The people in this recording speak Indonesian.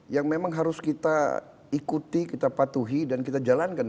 yang memang harus kita ikuti kita patuhi dan kita jalankan